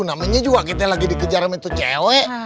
namanya juga kita lagi dikejar itu cewek